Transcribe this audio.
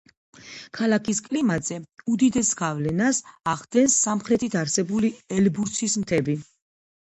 ქალაქის კლიმატზე უდიდესი გავლენას ახდენს სამხრეთით არსებული ელბურსის მთები.